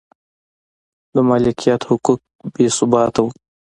د مالکیت حقوق بې ثباته و